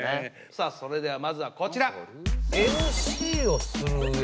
さあそれではまずはこちら。